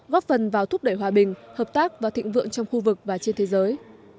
góp phần vào thúc đẩy hòa bình hợp tác và thịnh vượng trong khu vực và trên thế giới